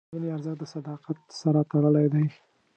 د مینې ارزښت د صداقت سره تړلی دی.